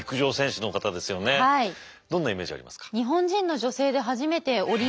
どんなイメージありますか。